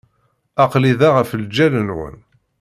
Aql-i da ɣef lǧal-nwen.